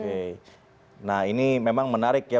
oke nah ini memang menarik ya